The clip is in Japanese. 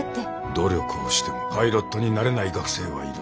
努力をしてもパイロットになれない学生はいる。